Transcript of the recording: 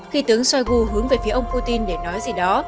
khi tướng shoigu hướng về phía ông putin để nói gì đó